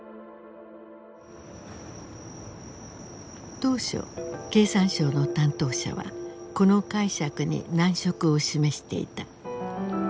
当初経産省の担当者はこの解釈に難色を示していた。